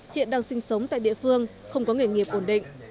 hiện đang sinh sống tại địa phương không có nghề nghiệp ổn định